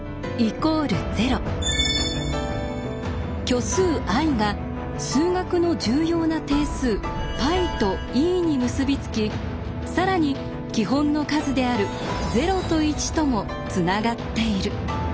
虚数ｉが数学の重要な定数πとｅに結び付き更に基本の数である０と１ともつながっている。